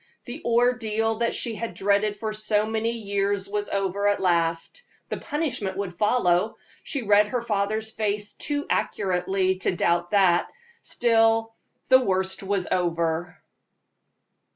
The ordeal she had dreaded for so many years was over at last the punishment would follow. She read her father's face too accurately to doubt that; still, the worst was over.